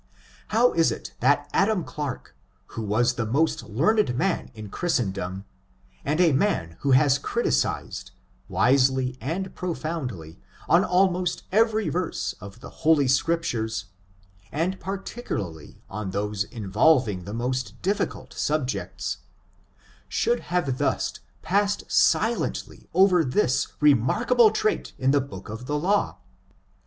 How is it that Adam Clarke, who was the most learned man in Christendom, and a man who has criticised, wisely and profoundly, on almost every verse of the Holy Scriptures, and particularly on those involving the most difficult subjects, should have thus passed silently over this remarkable trait in the book of the law?